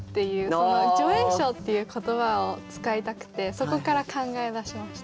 その「助演賞」っていう言葉を使いたくてそこから考えだしました。